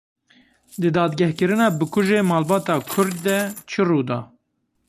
Di dadgehkirina bikujê malbata Kurd de çi rû da?